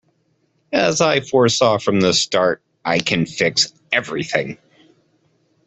As I foresaw from the start, I can fix everything.